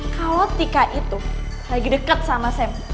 kalau tika itu lagi deket sama saya